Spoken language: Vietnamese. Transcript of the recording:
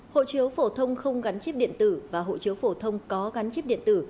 hộ chiếu phổ thông không gắn chip điện tử và hộ chiếu phổ thông có gắn chip điện tử